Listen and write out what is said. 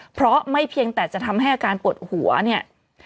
เพราะไม่เพียงแต่จะทำให้อาการปวดหัวเนี่ย